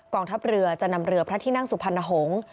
ทัพเรือจะนำเรือพระที่นั่งสุพรรณหงษ์